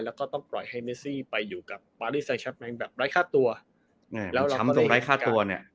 แล้วก็ต้องปล่อยให้เมซี่ไปอยู่กับแบบร้ายค่าตัวแล้วเราก็ได้เห็นการ